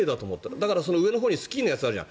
だから、上のほうにスキーのやつあるじゃん。